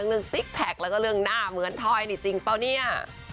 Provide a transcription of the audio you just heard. ซิกแพคแล้วก็เรื่องหน้าเหมือนทอยนี่จริงเปล่าเนี่ย